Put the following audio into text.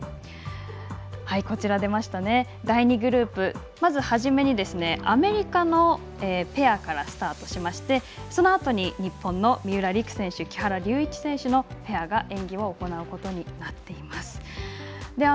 第２グループはまず初めにアメリカのペアからスタートしましてそのあと日本の三浦璃来選手と木原龍一選手のペアが演技を行うことになっています。